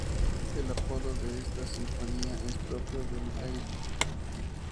El apodo de esta sinfonía es propio de Haydn.